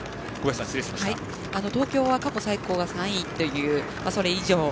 東京は過去最高が３位というそれ以上かも。